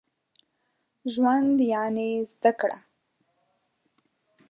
ژوند يعني زده کړه.